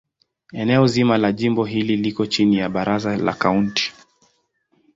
Eneo zima la jimbo hili liko chini ya Baraza la Kaunti.